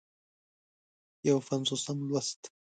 یو پينځوسم لوست